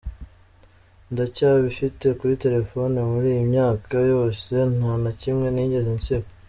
Ndacyabifite kuri telefoni muri iyi myaka yose, nta na kimwe nigeze nsiba.